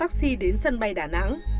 cao đưa taxi đến sân bay đà nẵng